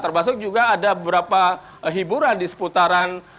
termasuk juga ada beberapa hiburan di seputaran